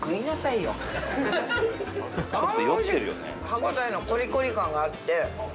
歯応えのコリコリ感があって。